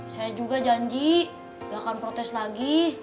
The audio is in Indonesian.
saya juga janji gak akan protes lagi